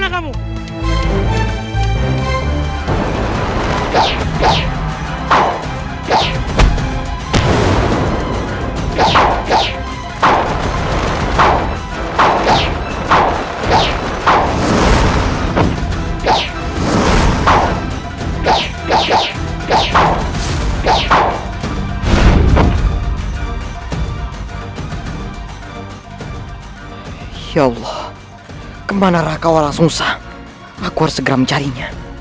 ya allah kemana raka walah sengsang aku harus segera mencarinya